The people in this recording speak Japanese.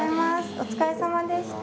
お疲れさまでした。